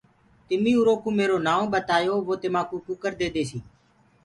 تمي اُرو ڪوُ ميرو نائونٚ ٻتآيو وو تمآ ڪوُ ڪٚڪر ديديسي۔